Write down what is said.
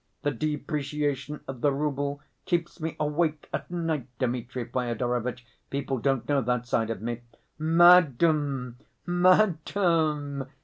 The depreciation of the rouble keeps me awake at night, Dmitri Fyodorovitch; people don't know that side of me—" "Madam, madam!"